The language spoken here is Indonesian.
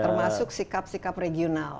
termasuk sikap sikap regional